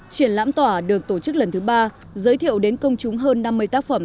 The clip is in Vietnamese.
triển lãm tỏa được tổ chức lần thứ ba giới thiệu đến công chúng hơn năm mươi tác phẩm